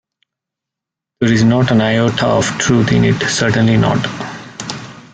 There is not an iota of truth in it, certainly not.